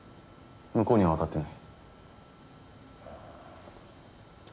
向こうには渡ってない。